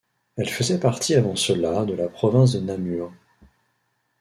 Elle faisait partie avant cela de la province de Namur.